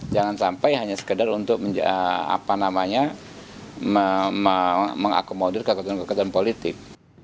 jangan sampai hanya sekedar untuk mengakomodir kekuatan kekuatan politik